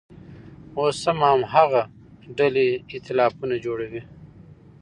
اوس هم هماغه ډلې اییتلافونه جوړوي.